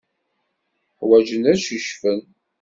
Ḥwajen ad ccucfen.